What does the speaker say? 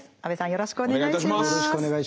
よろしくお願いします。